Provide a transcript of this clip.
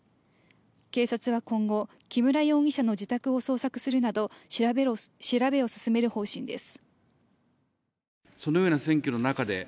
警察は今後、木村容疑者の自宅を捜索するなど調べを進める方針です。